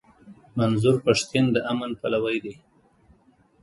منظور پښتين د امن پلوی دی.